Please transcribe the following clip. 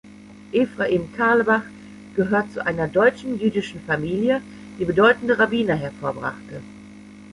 Ephraim Carlebach gehört zu einer deutschen jüdischen Familie, die bedeutende Rabbiner hervorbrachte.